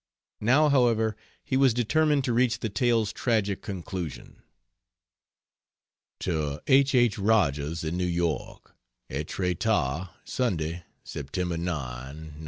Now, however, he was determined to reach the tale's tragic conclusion. To H. H. Rogers, in New York: ETRETAT, Sunday, Sept. 9, '94.